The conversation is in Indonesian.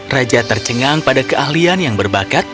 raja tercengang pada keahlian yang berbakat